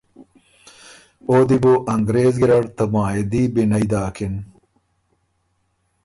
او دی بو انګرېز ګیرډ ته معاهدي بِنئ داکِن۔